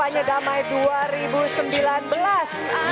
penandatanganan prasasti deklarasi kampanye damai dua ribu sembilan belas